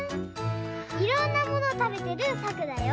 いろんなものをたべてるさくだよ。